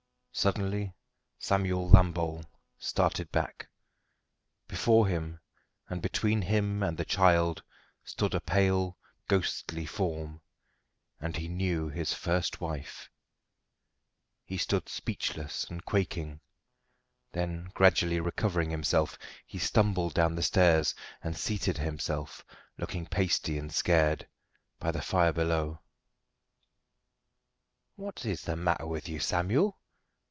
Suddenly Samuel Lambole started back. Before him, and between him and the child, stood a pale, ghostly form, and he knew his first wife. He stood speechless and quaking. Then, gradually recovering himself, he stumbled down the stairs, and seated himself, looking pasty and scared, by the fire below. "What is the matter with you, Samuel?"